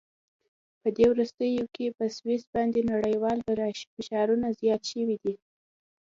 په دې وروستیو کې په سویس باندې نړیوال فشارونه زیات شوي دي.